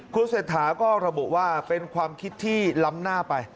คุณเศรษฐาก็ระบุว่าเป็นความคิดที่ล้ำหน้าไป